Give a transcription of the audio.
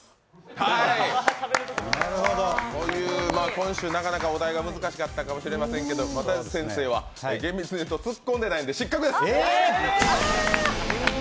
今週、なかなかお題が難しかったかもしれないですけど又吉先生は厳密にいうとツッコんでないんで失格です。